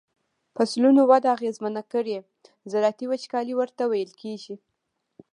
فصلونو وده اغیزمنه کړي زراعتی وچکالی ورته ویل کیږي.